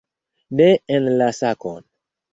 Ne en la sakon!